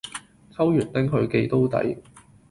抽完拎去寄都抵